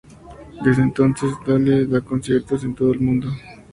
Desde entonces, Dale da conciertos en todo el mundo.